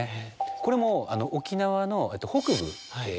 これも沖縄の北部。